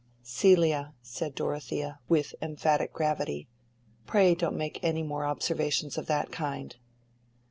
"Celia," said Dorothea, with emphatic gravity, "pray don't make any more observations of that kind."